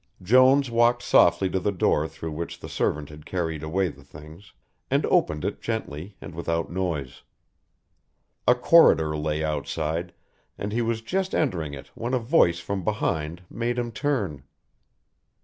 Jones walked softly to the door through which the servant had carried away the things, and opened it gently and without noise. A corridor lay outside, and he was just entering it when a voice from behind made him turn.